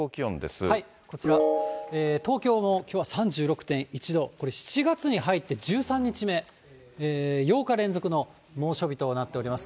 こちら、東京もきょうは３６．１度、これ、７月に入って１３日目、８日連続の猛暑日となっております。